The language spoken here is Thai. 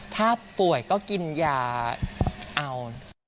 ถ้าป่วยก็กินยาเอา